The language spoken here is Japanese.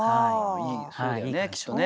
いいねそうだよねきっとね。